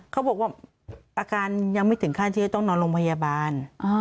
เขาบอกว่าอาการยังไม่ถึงขั้นที่จะต้องนอนโรงพยาบาล